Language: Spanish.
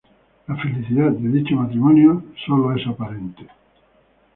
La felicidad de dicho matrimonio es sólo aparente.